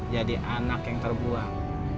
jadi anak yang terbuang